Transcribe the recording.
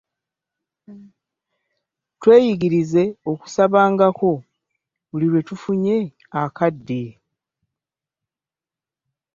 Tweyigirize okusabangako buli lwe tufunye akadde.